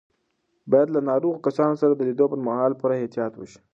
باید له ناروغو کسانو سره د لیدو پر مهال پوره احتیاط وشي.